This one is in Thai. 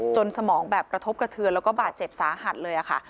สมองแบบกระทบกระเทือนแล้วก็บาดเจ็บสาหัสเลยค่ะ